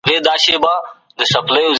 د کتاب لوستونکی په دلايلو خبري کوي.